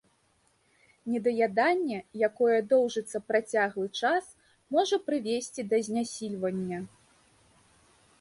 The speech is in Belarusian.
Недаяданне, якое доўжыцца працяглы час, можа прывесці да знясільвання.